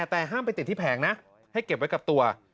แต่ห้ามไปติดที่แผงนะให้เก็บไว้กับตัว